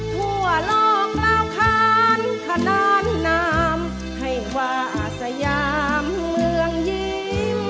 ทั่วโลกลาวค้านขนานนามให้วาสยามเมืองยิ้ม